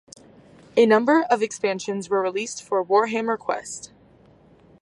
A number of expansions were released for Warhammer Quest.